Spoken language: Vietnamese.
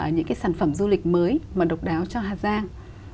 những cái sản phẩm du lịch mới mà độc đáo cho hà giang